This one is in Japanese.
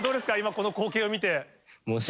この光景を見て。